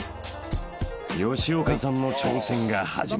［吉岡さんの挑戦が始まる］